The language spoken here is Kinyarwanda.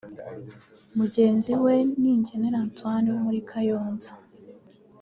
Mugenzi we Ningenera Antoine wo muri Kayonza